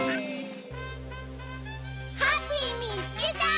ハッピーみつけた！